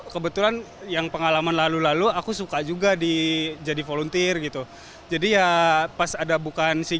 kebetulan yang pengalaman lalu lalu aku suka juga di jadi volunteer gitu jadi ya pas ada bukan si